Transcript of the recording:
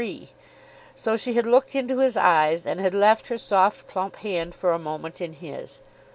So she had looked into his eyes, and had left her soft, plump hand for a moment in his.